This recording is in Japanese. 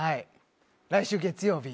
来週、月曜日